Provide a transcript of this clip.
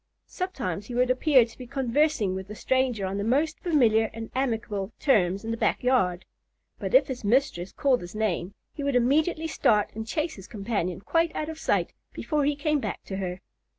Sometimes he would appear to be conversing with the stranger on the most familiar and amicable terms in the back yard; but if his mistress called his name, he would immediately start and chase his companion quite out of sight, before he came back to her.